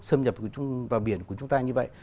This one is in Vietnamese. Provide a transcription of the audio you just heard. xâm nhập vào biển của chúng ta như vậy